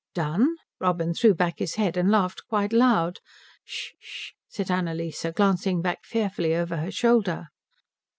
"Done?" Robin threw back his head and laughed quite loud. "Sh sh," said Annalise, glancing back fearfully over her shoulder.